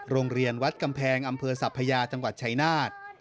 โรงเรียนวัดกำแพงอำเภอสัพพยาจังหวัดชายนาฏ